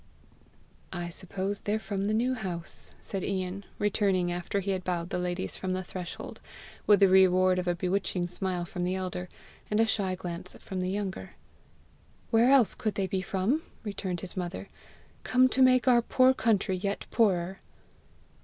"I suppose they're from the New House!" said Ian, returning after he had bowed the ladies from the threshold, with the reward of a bewitching smile from the elder, and a shy glance from the younger. "Where else could they be from?" returned his mother; " come to make our poor country yet poorer!"